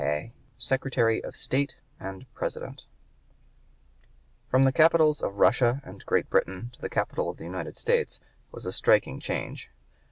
101) SECRETARY OF STATE AND PRESIDENT From the capitals of Russia and Great Britain to the capital of the United States was a striking change.